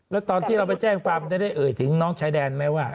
แล้วตอนที่เราไปแจ้งความจะได้เอ่ยถึงน้องชายแดนไหมว่า